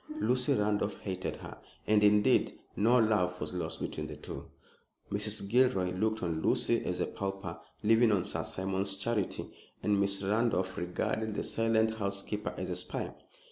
Lucy Randolph hated her, and indeed no love was lost between the two. Mrs. Gilroy looked on Lucy as a pauper living on Sir Simon's charity, and Miss Randolph regarded the silent housekeeper as a spy.